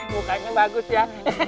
mukanya bagus ya